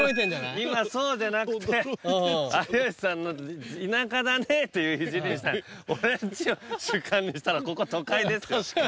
今そうじゃなくて有吉さんの田舎だねといういじりをしたい俺んちを主観にしたらここは都会ですよ